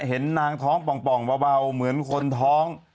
เห็นนางท้องป่องเบาเหมือนคนท้อง